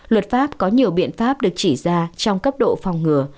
luật pháp có nhiều biện pháp được chỉ ra trong cấp độ phòng ngừa